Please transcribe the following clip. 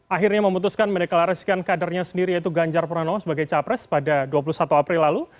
akhirnya memutuskan mendeklarasikan kadernya sendiri yaitu ganjar pranowo sebagai capres pada dua puluh satu april lalu